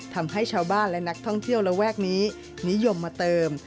ทำให้ชาวบ้านและนักท่องเที่ยวระแวกนี้นิยมมาเติม